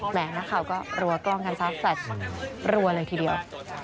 แหมแล้วเขาก็รัวกล้องกันซ้าวแฟดรัวเลยทีเดียว